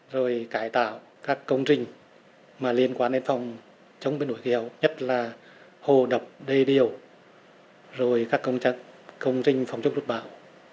rồi cải tạo các công trình liên quan đến phòng chống biển đổi khí hậu nhất là hồ đập đê điêu rồi các công trình phòng chống rút bão